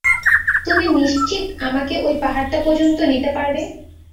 তুমি নিশ্চিত আমাকে ঐ পাহাড়টা পর্যন্ত নিতে পারবে?